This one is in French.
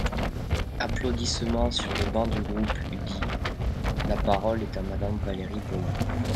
(Applaudissements sur les bancs du groupe UDI.) La parole est à Madame Valérie Boyer.